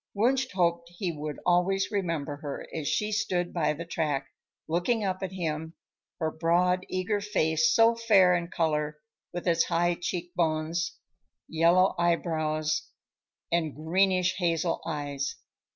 Wunsch hoped he would always remember her as she stood by the track, looking up at him; her broad eager face, so fair in color, with its high cheek bones, yellow eyebrows and greenishhazel eyes.